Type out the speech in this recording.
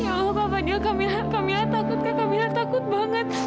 ya allah kak fadil kamila kamila takut kak kamila takut banget